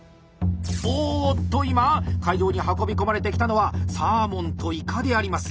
おっと今会場に運び込まれてきたのはサーモンとイカであります！